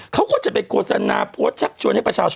เขาก็จะไปโฆษณาโพสต์ชักชวนให้ประชาชน